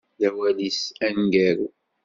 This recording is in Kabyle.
D awal-is aneggaru.